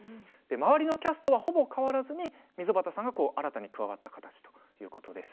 周りのキャストはほぼ変わらずに溝端さんが新たに加わった形ということです。